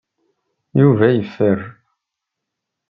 Yuba yeffer.